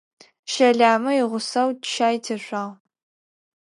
Щэламэ игъусэу щаи тешъуагъ.